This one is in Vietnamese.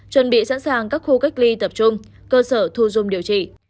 chuẩn bị sẵn sàng các khu cách ly tập trung cơ sở thu dung điều trị